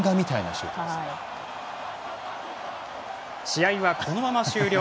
試合は、このまま終了。